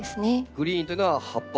グリーンというのは葉っぱ。